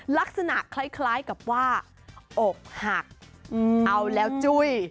ลักษณะคล้ายกับว่าอกหักเอาแล้วจุ้ย